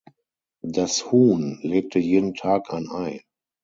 Das Huhn legte jeden Tag ein Ei.